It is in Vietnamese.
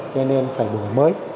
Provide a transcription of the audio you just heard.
cho nên phải đổi mới